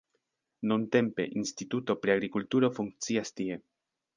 Nuntempe instituto pri agrikulturo funkcias tie.